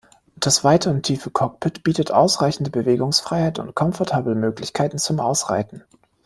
Das weite und tiefe Cockpit bietet ausreichende Bewegungsfreiheit und komfortable Möglichkeiten zum Ausreiten.